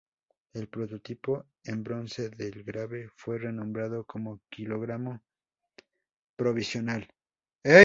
El prototipo en bronce del grave fue renombrado como kilogramo provisional.